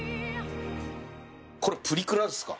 これプリクラですか？